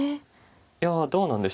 いやどうなんでしょう。